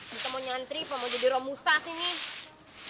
bisa mau nyantri apa mau jadi romusa sih nih